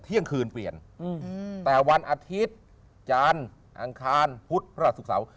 เที่ยงคืนเปลี่ยนแต่วันอาทิตย์จานอังคารพุธพระราชศุกร์เสาร์